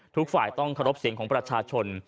ทุกฝ่ายต้องเคารพเสียงของประชาชน